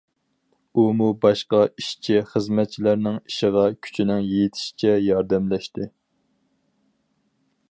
ئۇمۇ باشقا ئىشچى- خىزمەتچىلەرنىڭ ئىشىغا كۈچىنىڭ يېتىشىچە ياردەملەشتى.